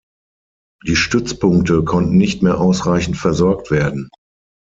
Die Stützpunkte konnten nicht mehr ausreichend versorgt werden.